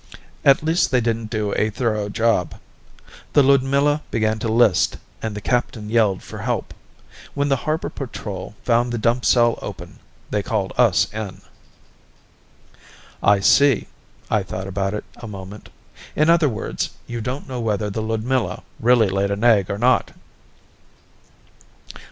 At least they didn't do a thorough job. The Ludmilla began to list and the captain yelled for help. When the Harbor Patrol found the dump cell open, they called us in." "I see." I thought about it a moment. "In other words, you don't know whether the Ludmilla really laid an egg or not."